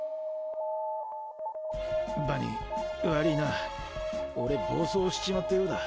バニー悪ぃな俺暴走しちまったようだ。